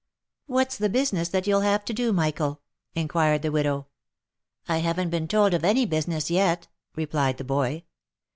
What's the business that you'll have to do, Michael ?" inquired the widow. " I haven't been told of any business yet," replied the boy.